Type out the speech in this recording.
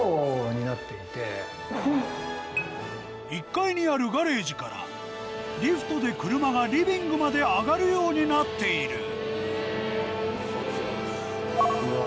１階にあるガレージからリフトで車がリビングまで上がるようになっているうわ